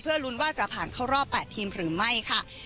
ลุ้นว่าจะผ่านเข้ารอบ๘ทีมหรือไม่ค่ะ